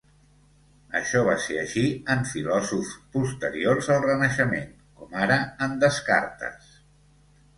Això va ser així en filòsofs posteriors al Renaixement, com ara en Descartes.